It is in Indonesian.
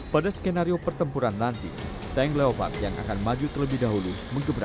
pada skenario pertempuran nanti tank leopard yang akan maju terlebih dahulu mengembangkan